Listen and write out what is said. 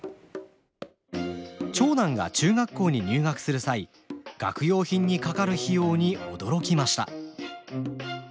長男が中学校に入学する際学用品にかかる費用に驚きました。